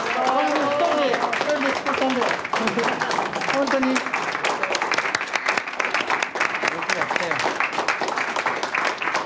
・ほんとによくやったよ。